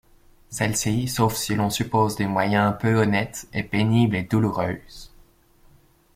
Celle-ci, sauf si l'on suppose des moyens peu honnêtes, est pénible et douloureuse.